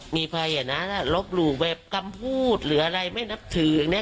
มีภัยอ่ะนะลบหลู่แบบคำพูดหรืออะไรไม่นับถืออย่างนี้